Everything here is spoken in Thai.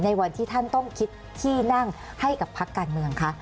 วันที่ท่านต้องคิดที่นั่งให้กับพักการเมืองคะ